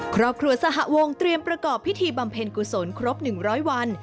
ครอบครัวสหวงเตรียมประกอบพิธีบำเพ็ญกุศลครบ๑๐๐วัน